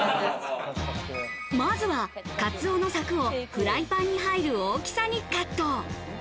まずはカツオのさくをフライパンに入る大きさにカット。